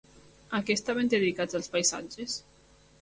A què estaven dedicats els paisatges?